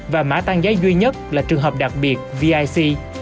và mã tăng giá duy nhất là trường hợp đặc biệt vic